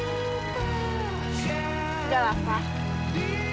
udah lah fah